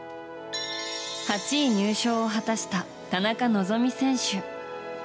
８位入賞を果たした田中希実選手。